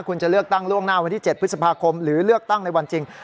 คุณจะเลือกตั้งล่วงหน้าวันที่๗พฤษภาคมหรือเลือกตั้งในวันจริง